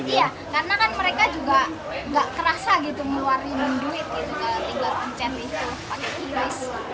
iya karena kan mereka juga gak kerasa gitu mewarin duit gitu kalau tinggal pencet itu pakai kris